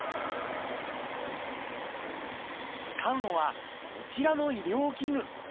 使うのはこちらの医療器具。